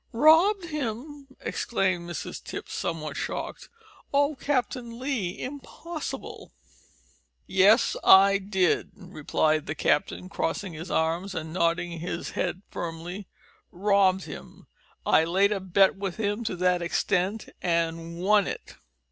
"Robbed him!" exclaimed Mrs Tipps, somewhat shocked. "Oh, Captain Lee, impossible!" "Yes I did," replied the captain, crossing his arms and nodding his head firmly, "robbed him. I laid a bet with him to that extent and won it."